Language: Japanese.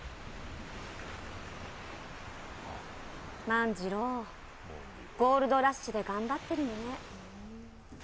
万次郎、ゴールドラッシュで頑張ってるのね。